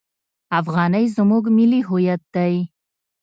افغانۍ زموږ ملي هویت دی.